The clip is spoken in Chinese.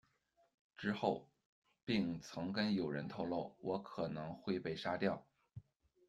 之后并曾跟友人透漏「我可能会被杀掉」。